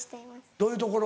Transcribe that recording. どういうところ？